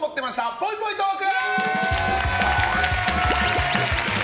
ぽいぽいトーク！